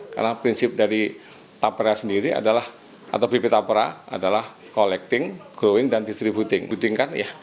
karena prinsip dari bp tapera adalah collecting growing dan distributing